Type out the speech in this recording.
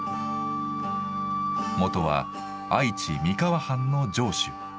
元は愛知・三河藩の城主。